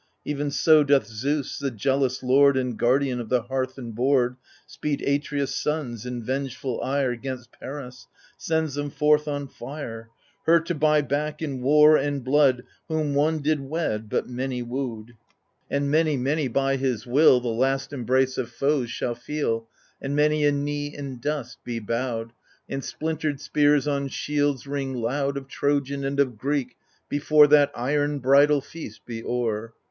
Even so doth Zeus, the jealous lord And guardian of the hearth and board, Speed Atreus' sons, in vengeful ire, 'Gainst Paris — sends them forth on fire, Her to buy back, in war and blood. Whom one did wed but many woo'd ! 6 AGAMEMNON And many, many, by his will, The last embrace of foes shall feel, And many a knee in dust be bowed. And splintered spears on shields ring loud, Of Trojan and of Greek, before That iron bridal feast be o'er